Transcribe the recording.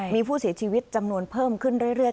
มีผู้เสียชีวิตจำนวนเพิ่มขึ้นเรื่อย